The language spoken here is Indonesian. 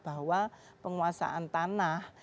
bahwa penguasaan tanah